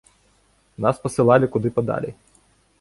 Нас пасылалі куды падалей.